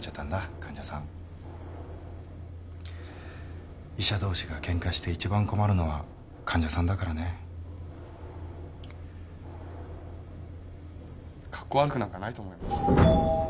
患者さん医者同士がケンカして一番困るのは患者さんだからねカッコ悪くなんかないと思います